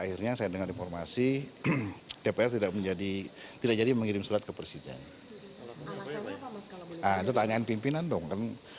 itu tanyaan pimpinan dong